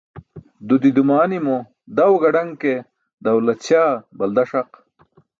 Dudi dumanimo daw gadaṅ ke, dawlat śaa balda ṣaq.